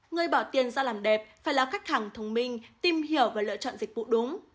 người bỏ tiền ra làm đẹp phải là khách hàng thông minh tìm hiểu và lựa chọn dịch vụ đúng